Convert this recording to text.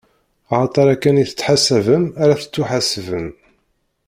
Axaṭer akken i tettḥasabem ara tettuḥasbem.